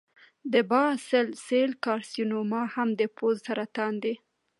د باسل سیل کارسینوما هم د پوست سرطان دی.